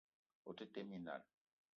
O te tee minal.